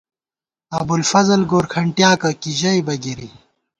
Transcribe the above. ابوالفضل گورکھنٹیاکہ کی ژئیبہ گِری